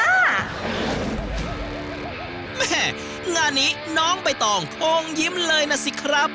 แม่งานนี้น้องใบตองคงยิ้มเลยนะสิครับ